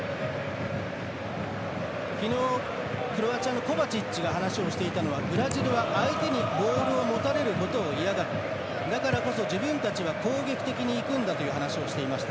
昨日、クロアチアのコバチッチが話をしていたのはブラジルは相手にボールを持たれることを嫌がるだからこそ自分たちは攻撃的にいくんだという話をしていました。